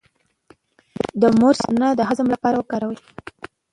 د مرچ دانه د هضم لپاره وکاروئ